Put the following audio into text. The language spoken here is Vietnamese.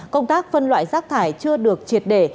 công tác phân loại rác thải chưa được triệt để